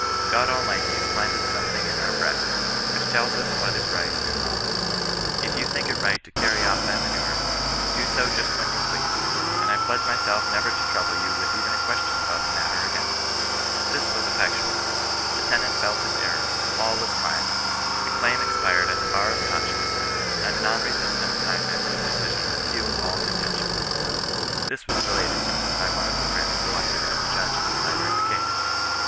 God Almighty has planted something in all our breasts which tells us what is right and wrong : if you think it right to cany off that manure, do so just when you please ; and I pledge myself never to trouble you with even a question about the matter again." This was effectual. The tenant felt his error; all was quiet ; the claim expired at the bar of conscience ; and non resistant kindness and decision healed all contention. This was related to me by one of the friends selected as a judge and decider in the case.